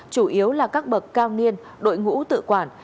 chủ yếu là các bậc cao niên đội ngũ tự quản